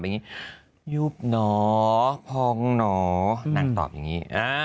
อย่างนี้ยุบหนอพองหนอนางตอบอย่างนี้